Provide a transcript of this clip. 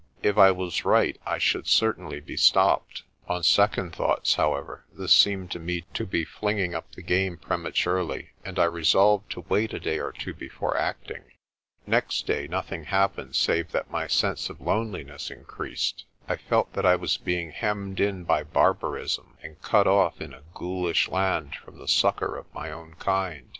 If I was right, I should certainly be stopped. On second thoughts, however, this seemed to me to be flinging up the game prematurely, and I resolved to wait a day or two be fore acting. Next day nothing happened, save that my sense of lone liness increased. I felt that I was being hemmed in by barbarism, and cut off in a ghoulish land from the succour of my own kind.